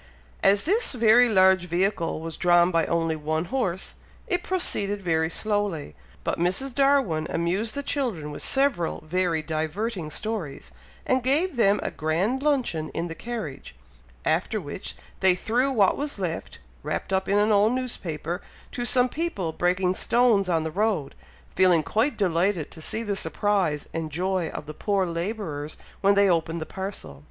As this very large vehicle was drawn by only one horse, it proceeded very slowly; but Mrs. Darwin amused the children with several very diverting stories, and gave them a grand luncheon in the carriage; after which, they threw what was left, wrapped up in an old newspaper, to some people breaking stones on the road, feeling quite delighted to see the surprise and joy of the poor labourers when they opened the parcel.